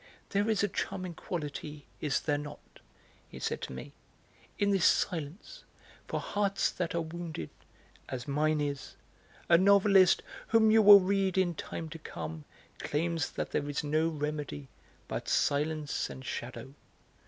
"There is a charming quality, is there not," he said to me, "in this silence; for hearts that are wounded, as mine is, a novelist, whom you will read in time to come, claims that there is no remedy but silence and shadow.